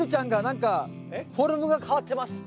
フォルムが変わってます。